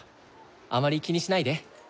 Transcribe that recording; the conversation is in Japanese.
あまり気にしないで。